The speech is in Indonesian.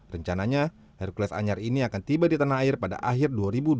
rencananya hercules anyar ini akan tiba di tanah air pada akhir dua ribu dua puluh